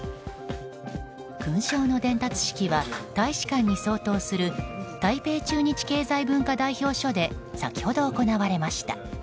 勲章の伝達式は大使館に相当する台北駐日経済文化代表処で先ほど行われました。